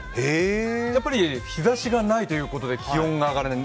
やっぱり日ざしがないということで気温が上がらない。